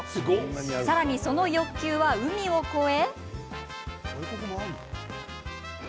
さらに、その欲求は海を越え。